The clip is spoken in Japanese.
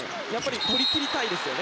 とりきりたいですね